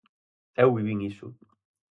Eu vivín iso.